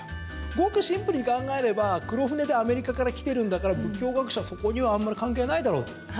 ごくシンプルに考えれば黒船でアメリカから来ているんだから仏教学者、そこにはあまり関係ないだろうと。